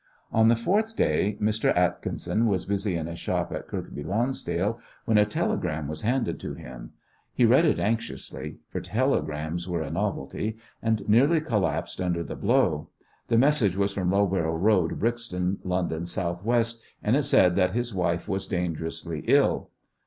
On the fourth day Mr. Atkinson was busy in his shop at Kirkby Lonsdale when a telegram was handed to him. He read it anxiously for telegrams were a novelty and nearly collapsed under the blow. The message was from Loughborough Road, Brixton, London, S.W., and it said that his wife was dangerously ill.